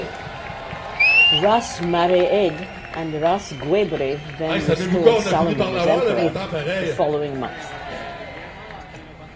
"Ras" Mare'ed and "Ras" Guebre then restored Salomon as Emperor the following month.